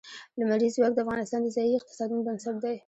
لمریز ځواک د افغانستان د ځایي اقتصادونو بنسټ دی.